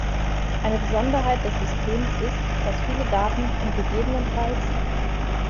Eine Besonderheit des Systems ist, dass viele Daten und ggf.